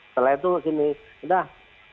setelah itu gini sudah